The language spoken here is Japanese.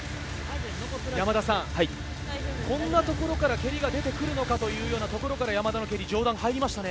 山田さん、こんなところから蹴りが出てくるのかというところから山田の蹴り、上段入りましたね。